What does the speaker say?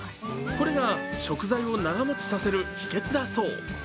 これが食材を長もちさせる秘けつだそう。